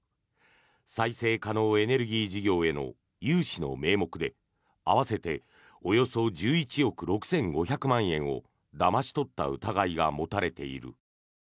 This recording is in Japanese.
再生エネルギー事業への融資の名目で合わせておよそ１１億６５００万円をだまし取った疑いが持たれている。